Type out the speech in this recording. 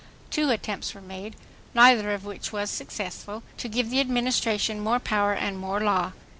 Two attempts were made, neither of which was successful, to give the Administration more power and more law.